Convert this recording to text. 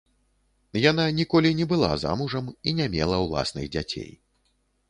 Яна ніколі не была замужам і не мела ўласных дзяцей.